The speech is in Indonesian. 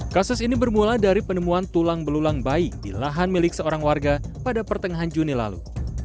kasus ini bermula dari penemuan tulang belulang bayi di lahan milik seorang warga pada pertengahan juni lalu